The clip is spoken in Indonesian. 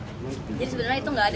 jadi sebenarnya itu enggak ada